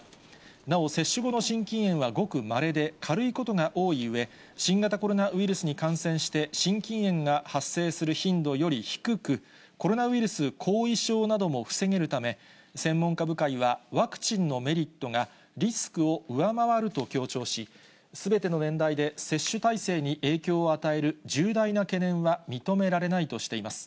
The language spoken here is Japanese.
なお、接種後の心筋炎はごくまれで、軽いことが多いうえ、新型コロナウイルスに感染して心筋炎が発生する頻度より低く、コロナウイルス後遺症なども防げるため、専門家部会は、ワクチンのメリットがリスクを上回ると強調し、すべての年代で接種体制に影響を与える重大な懸念は認められないとしています。